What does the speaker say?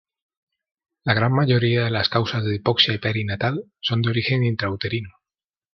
La gran mayoría de las causas de hipoxia perinatal son de origen intrauterino.